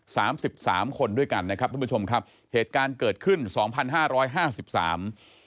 สามสิบสามคนด้วยกันนะครับทุกผู้ชมครับเหตุการณ์เกิดขึ้นสองพันห้าร้อยห้าสิบสาม